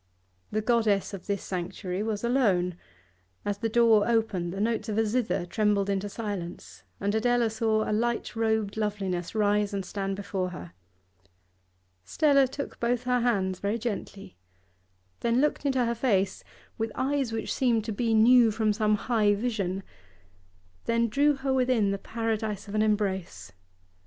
The goddess of this sanctuary was alone; as the door opened the notes of a zither trembled into silence, and Adela saw a light robed loveliness rise and stand before her. Stella took both her hands very gently, then looked into her face with eyes which seemed to be new from some high vision, then drew her within the paradise of an embrace.